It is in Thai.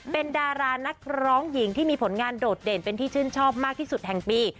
เป็นดารานักร้องหญิงที่มีผลงานโดดเด่นเป็นที่ชื่นชอบมากที่สุดแห่งปี